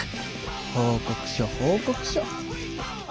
報告書報告書！